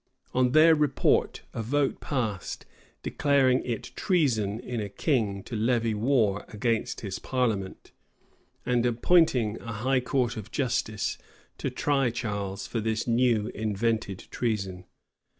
On their report a vote passed, declaring it treason in a king to levy war against his parliament, and appointing a high court of justice to try Charles for this new invented treason.